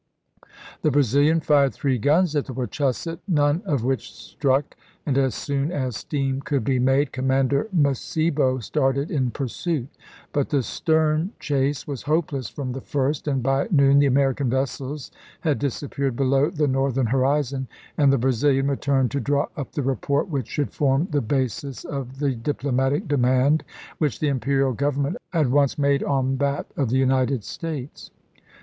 The Brazilian fired three guns at chap. vi. the Wachusett, none of which struck, and as soon Com. as steam could be made Commander Macebo started mS, in pursuit ; but the stern chase was hopeless from oc?.T,°i8k the first, and by noon the American vessels had disappeared below the Northern horizon, and the Brazilian returned to draw up the report which should form the basis of the diplomatic demand which the Imperial Government at once made on that of the United States.